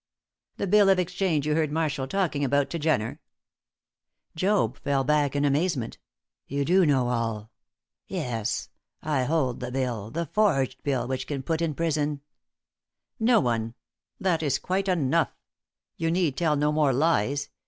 "The bill of exchange you heard Marshall talking about to Jenner?" Job fell back in amazement. "You do know all! Yes; I hold the bill the forged bill which can put in prison " "No one. That is quite enough; you need tell no more lies.